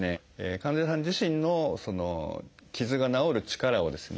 患者さん自身の傷が治る力をですね